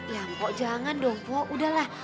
ya mpok jangan dong kok udahlah